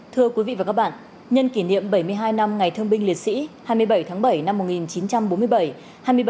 thưa quý vị và các bạn nhân kỷ niệm bảy mươi hai năm ngày thương binh liệt sĩ hai mươi bảy tháng bảy năm một nghìn chín trăm bốn mươi bảy